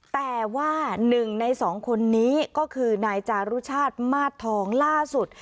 แต่ว่า๑ใน๒คนนี้ก็คือนายจารุชาติมาสทองล่าสุด